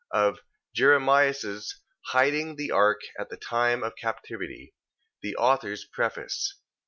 Of Jeremias' hiding the ark at the time of the captivity. The author's preface.